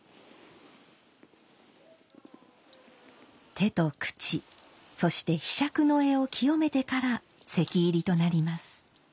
手と口そして柄杓の柄を清めてから席入りとなります。